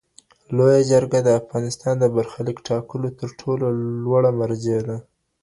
لویه جرګه د افغانستان د برخلیک ټاکلو تر ټولو لوړه مرجع ده.